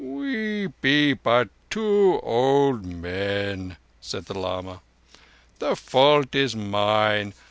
"We be two old men," said the lama. "The fault is mine.